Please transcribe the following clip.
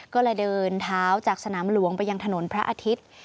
ก็เลยเดินเท้าจากสนามหลวงไปยังถนนพระอาทิตย์